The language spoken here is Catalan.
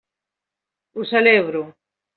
Ho celebro.